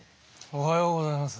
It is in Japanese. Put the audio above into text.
おはようございます。